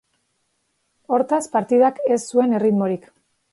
Hortaz, partidak ez zuen erritmorik.